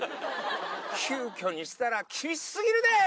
急きょにしたら厳しすぎるでー！